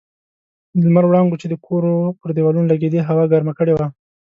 د لمر وړانګو چې د کورو پر دېوالو لګېدې هوا ګرمه کړې وه.